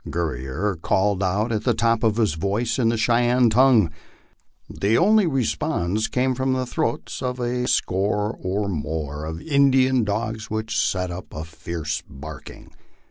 Gurrier called out at the top of his voice in the Chey enne tongue. The only response came from the throats of a score or more of Indian dogs which set up a fierce barking.